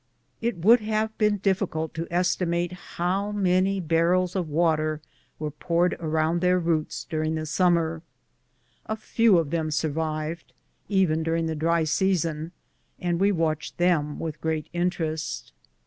It would have been diflScult to estimate how many barrels of water were poured around their roots during the summer. A few of them survived, even during the dry season, and we watched them with great interest.